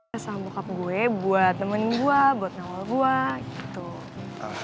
bersama bokap gue buat temen gue buat nawal gue gitu